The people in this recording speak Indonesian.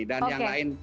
dan yang lain